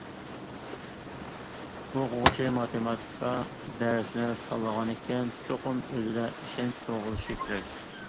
ئوقۇغۇچى ماتېماتىكا دەرسنى تاللىغانىكەن، چوقۇم ئۆزىدە ئىشەنچ تۇرغۇزۇشى كېرەك.